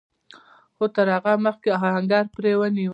خو تر هغه مخکې آهنګر پړی ونيو.